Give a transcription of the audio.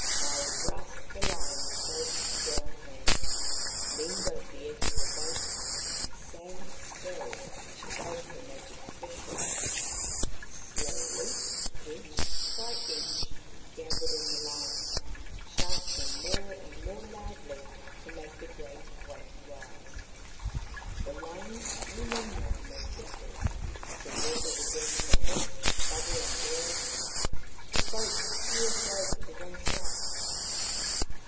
Maui grasped the line with both strong hands, leaned over the edge of the boat, and sang a spell to help the magic fish hook. 94 Maoriland Fairy Tales Slowly, inch by inch, he gathered in the line, chanting more and more loudly to make the great weight rise. The line came in now more quickly, the water began to hiss and bubble and boil, the boat heeled over to one side.